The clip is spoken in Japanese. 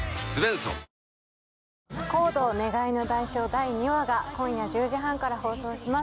第２話が今夜１０時半から放送します。